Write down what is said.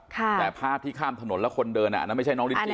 แต่ภาพที่ข้ามถนนแล้วคนเดินอันนั้นไม่ใช่น้องลินจิ